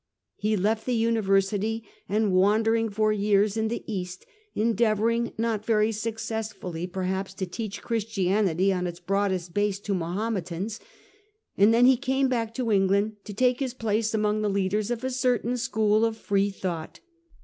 He left the univer sity, and wandered for years in the East, endeavouring, not very successfully perhaps, to teach Christianity on its broadest base, to Mahometans ; and then he came back to England to take his place among the leaders of a certain school of free thought.